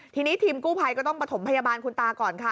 ทีนี้ทีมกู้ภัยก็ต้องประถมพยาบาลคุณตาก่อนค่ะ